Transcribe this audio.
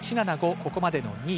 ここまで２位。